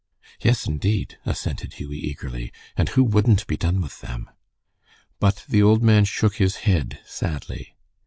"Yes, indeed," assented Hughie, eagerly, "and who wouldn't be done with them?" But the old man shook his head sadly.